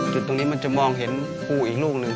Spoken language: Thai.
จุดตรงนี้มันจะมองเห็นคู่อีกลูกหนึ่ง